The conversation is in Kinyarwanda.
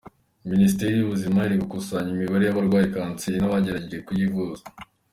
Minisiteri y’Ubuzima iri gukusanya imibare y’abarwaye kanseri n’abagerageje kuyivuza.